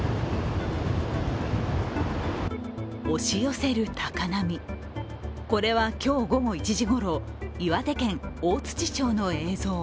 押し寄せる高波、これは今日午後１時ごろ、岩手県大槌町の映像。